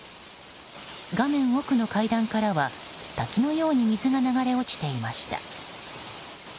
画面奥の階段からは滝のように水が流れ落ちていました。